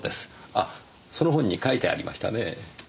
あその本に書いてありましたね。